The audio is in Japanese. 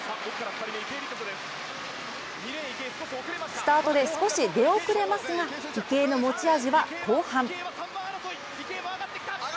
スタートで少し出遅れますが池江の持ち味は後半。